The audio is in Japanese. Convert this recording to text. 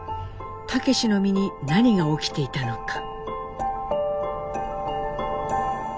武の身に何が起きていたのか。